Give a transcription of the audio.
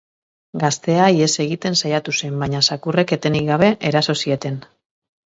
Gaztea ihes egiten saiatu zen, baina zakurrek etenik gabe eraso zieten.